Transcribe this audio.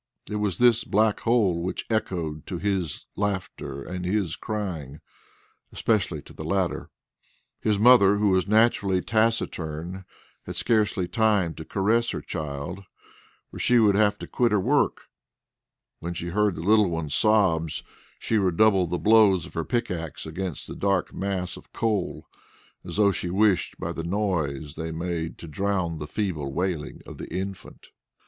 It was this black hole which echoed to his laughter and his crying, especially to the latter. His mother, who was naturally taciturn, had scarcely time to caress her child, for she would have had to quit her work; when she heard the little one's sobs, she redoubled the blows of her pickaxe against the dark mass of coal, as though she wished by the noise they made to drown the feeble wailing of the infant.